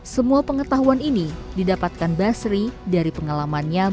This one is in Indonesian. semua pengetahuan ini didapatkan basri dari pengalamannya